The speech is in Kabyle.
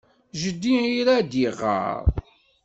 Jeddi ira ad iɣer.